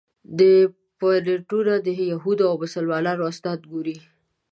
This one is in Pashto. دا پواینټونه د یهودو او مسلمانانو اسناد ګوري.